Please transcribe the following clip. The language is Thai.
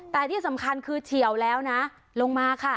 แต่สำคัญคือเทียวแล้วนะ